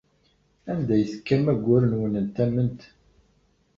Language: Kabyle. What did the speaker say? Anda ay tekkam ayyur-nwen n tamemt?